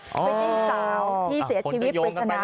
ไปได้สาวที่เสียชีวิตปริศนา